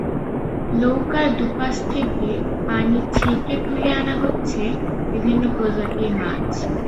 নৌকার দুপাশ থেকে পানি ছেঁকে তুলে আনা হচ্ছে বিভিন্ন প্রজাতির মাছ।